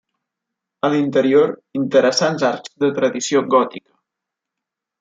A l'interior, interessants arcs de tradició gòtica.